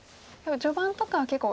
序盤とかは結構。